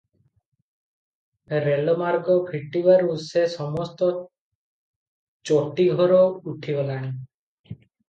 ରେଲମାର୍ଗ ଫିଟିବାରୁ ସେ ସମସ୍ତ ଚଟି ଘର ଉଠିଗଲାଣି ।